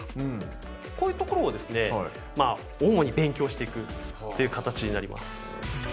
こういうところをですね主に勉強していくっていう形になります。